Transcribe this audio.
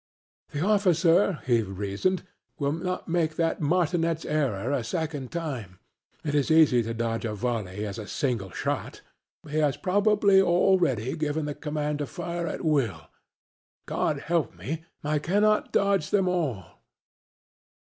"The officer," he reasoned, "will not make that martinet's error a second time. It is as easy to dodge a volley as a single shot. He has probably already given the command to fire at will. God help me, I cannot dodge them all!"